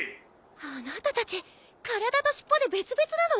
あなたたち体と尻尾で別々なの！？